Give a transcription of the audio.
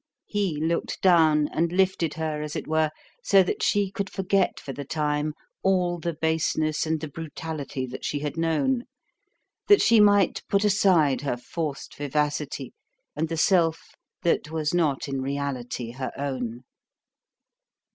He looked down and lifted her, as it were, so that she could forget for the time all the baseness and the brutality that she had known, that she might put aside her forced vivacity and the self that was not in reality her own.